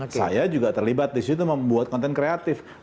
oke saya juga terlibat disitu membuat konten kreatif dan lain lain